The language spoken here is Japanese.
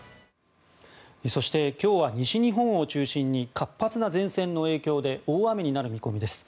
そして、今日は西日本を中心に活発な前線の影響で大雨になる見込みです。